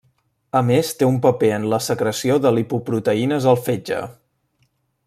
A més té un paper en la secreció de lipoproteïnes al fetge.